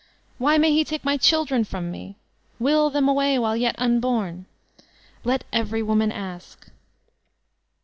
Why may he take my children from me? Will them away while yet unborn ?'' Let every woman ask.